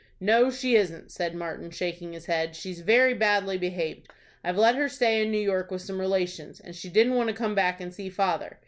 "No, she isn't," said Martin, shaking his head. "She's very badly behaved. I've let her stay in New York with some relations, and she didn't want to come back and see father.